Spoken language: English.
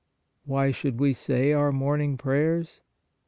Why should we say our morning pray ers?